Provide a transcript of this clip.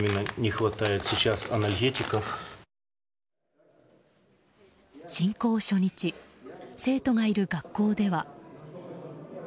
侵攻初日生徒がいる学校では。